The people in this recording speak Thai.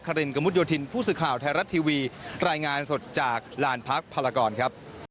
รินกระมุดโยธินผู้สื่อข่าวไทยรัฐทีวีรายงานสดจากลานพักพลากรครับ